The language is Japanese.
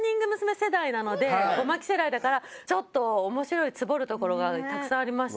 世代なのでゴマキ世代だからちょっと面白いツボるところがたくさんありました。